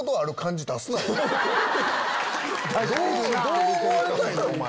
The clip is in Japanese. どう思われたいねんお前。